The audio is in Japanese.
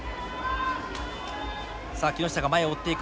さあ木下が前を追っていく。